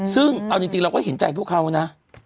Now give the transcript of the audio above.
ซึ่งเอาจริงเราก็เห็นใจพวกเขานะ